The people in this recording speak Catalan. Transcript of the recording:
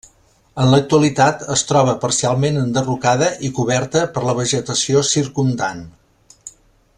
En l'actualitat es troba parcialment enderrocada i coberta per la vegetació circumdant.